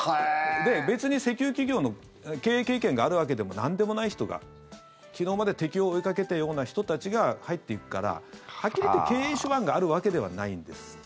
別に、石油企業の経営経験があるわけでもなんでもない人が昨日まで敵を追いかけていたような人たちが入っていくからはっきり言って経営手腕があるわけではないんです。